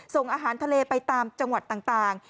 ส่งอาหารทะเลไปตามจังหวัดต่าง